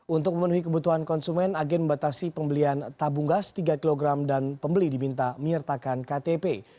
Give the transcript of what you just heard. untuk memenuhi kebutuhan konsumen agen membatasi pembelian tabung gas tiga kg dan pembeli diminta menyertakan ktp